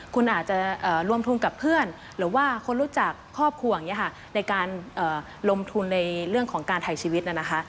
คุณอาจจะรวมทุนกับเพื่อนหรือว่าคนรู้จักครอบครัวอย่างนี้ค่ะในการลงทุนในเรื่องของการถ่ายชีวิตน่ะนะคะ